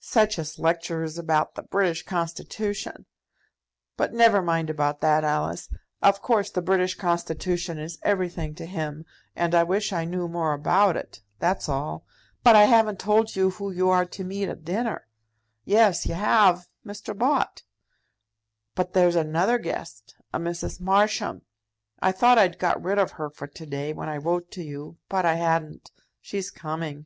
"Such as lectures about the British Constitution! But never mind about that, Alice. Of course the British Constitution is everything to him, and I wish I knew more about it; that's all. But I haven't told you whom you are to meet at dinner." "Yes, you have Mr. Bott." "But there's another guest, a Mrs. Marsham. I thought I'd got rid of her for to day, when I wrote to you; but I hadn't. She's coming."